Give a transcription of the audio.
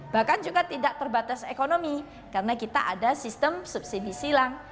bahkan juga tidak terbatas ekonomi karena kita ada sistem subsidi silang